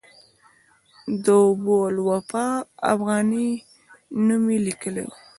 د ابوالوفاء افغاني نوم یې لیکلی و.